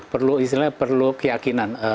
perlu istilahnya perlu keyakinan